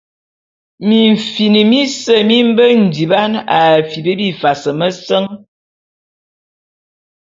Mimfin mise mi mbe ndiban a afip bifas meseñ.